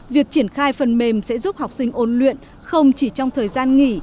việc triển khai phần mềm sẽ giúp học sinh ôn luyện không chỉ trong thời gian nghỉ